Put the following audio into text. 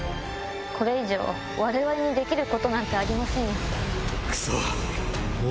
これ以上我々にできることなんてありませんよ。